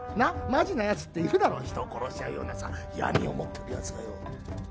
マジな奴っているだろ人を殺しちゃうようなさ闇を持ってる奴がよ。